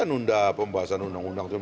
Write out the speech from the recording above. kan undah pembahasan undang undang